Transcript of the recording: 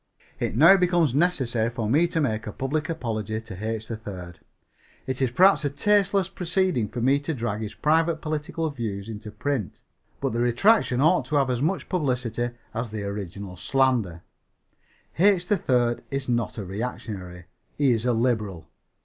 It now becomes necessary for me to make a public apology to H. 3rd. It is perhaps a tasteless proceeding for me to drag his private political views into print, but the retraction ought to have as much publicity as the original slander. H. 3rd is not a reactionary. He is a liberal.